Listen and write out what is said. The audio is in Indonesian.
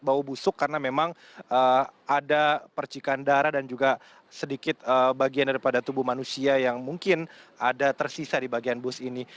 bau busuk karena memang ada percikan darah dan juga sedikit bagian daripada tubuh manusia yang mungkin ada tersisa di bagian bus ini